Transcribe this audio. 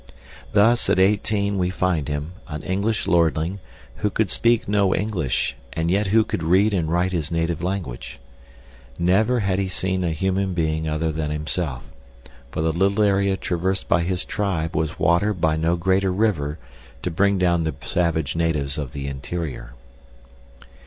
Thus, at eighteen, we find him, an English lordling, who could speak no English, and yet who could read and write his native language. Never had he seen a human being other than himself, for the little area traversed by his tribe was watered by no greater river to bring down the savage natives of the interior.